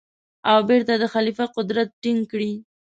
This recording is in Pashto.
او بېرته د خلیفه قدرت ټینګ کړي.